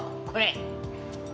これ？